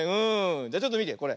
じゃちょっとみてこれ。